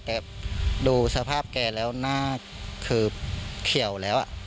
ดูสภาพแกแล้วหน้าคือเขียวแล้ว